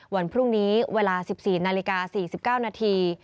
วันพรุ่งนี้เวลาสิบสี่นาฬิกาสี่สิบเก้านาที